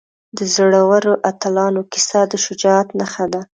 د زړورو اتلانو کیسه د شجاعت نښه ده.